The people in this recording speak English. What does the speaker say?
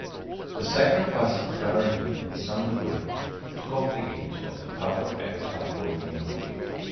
The sacrifice of Clarendon in some degree took off the edge of the public appetite for revenge.